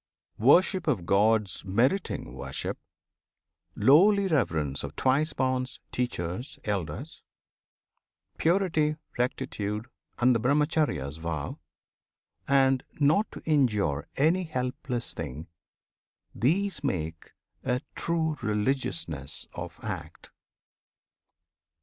Worship of gods Meriting worship; lowly reverence Of Twice borns, Teachers, Elders; Purity, Rectitude, and the Brahmacharya's vow, And not to injure any helpless thing, These make a true religiousness of Act.